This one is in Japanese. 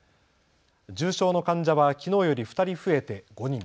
重症の患者はきのうより２人増えて５人。